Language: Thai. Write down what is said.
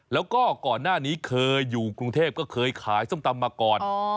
แล้วก็ก่อนหน้านี้เคยอยู่กรุงเทพก็เคยขายส้มตำมาก่อน